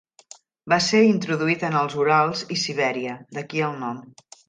Va ser introduït en els Urals i Sibèria, d'aquí el nom.